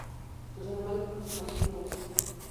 Los animales vivos se mantienen en el sitio.